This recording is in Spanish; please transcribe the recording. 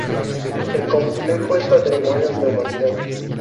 El complejo es Patrimonio de la Humanidad.